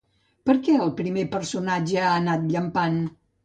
Per què el primer personatge ha anat llampant?